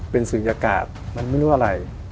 เป็นศูนยากาศมันไม่รู้อะไร